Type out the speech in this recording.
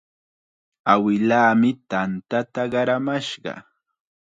Awilaami tanta qaramashqa.